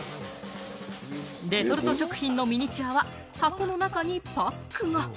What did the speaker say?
レトルト食品のミニチュアは箱の中にパックが。